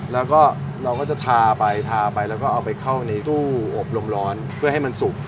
แล้วก็เราก็จะทาไปทาไปแล้วก็เอาไปเข้าในตู้อบรมร้อนเพื่อให้มันสุก